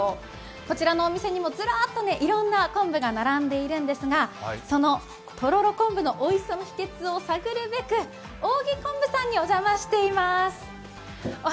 こちらのお店にもずらーっといろんな昆布が並んでいるんですがそのとろろ昆布のおいしさの秘けつを探るべく、扇子こんぶさんにお邪魔しています。